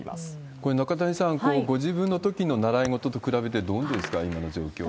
これ、中谷さん、ご自分のときの習い事と比べてどうですか、今の状況は。